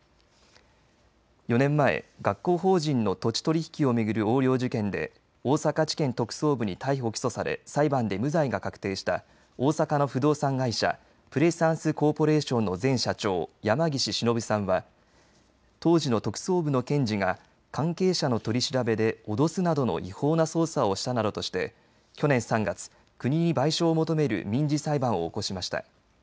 ４年前、学校法人の土地取引を巡る横領事件で大阪地検特捜部に逮捕・起訴され裁判で無罪が確定した大阪の不動産会社、プレサンスコーポレーションの前社長、山岸忍さんは当時の特捜部の検事が関係者の取り調べで脅すなどの違法な捜査をしたなどとして去年３月、国に賠償を求める民事裁判を起こしました。